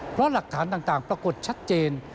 เพราะหลักฐานต่างปรากฏชัดเจน